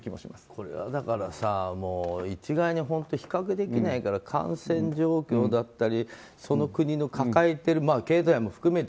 これは一概に本当に比較できないから感染状況だったりその国の抱えてる経済も含めて